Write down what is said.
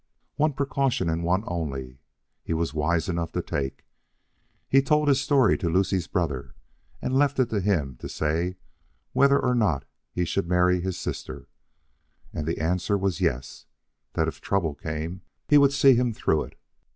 One precaution and one only he was wise enough to take. He told his story to Lucie's brother, and left it to him to say whether or not he should marry his sister. And the answer was yes; that if trouble came he would see him through it.